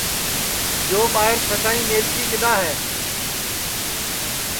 یو ٻائیر سدائیں میلکھی کِدؔا ہے